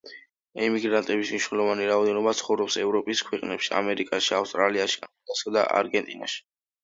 ემიგრანტების მნიშვნელოვანი რაოდენობა ცხოვრობს ევროპის ქვეყნებში, ამერიკაში, ავსტრალიაში, კანადასა და არგენტინაში.